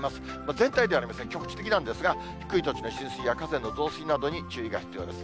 全体ではありません、局地的なんですが、低い土地の浸水や河川の増水などに注意が必要です。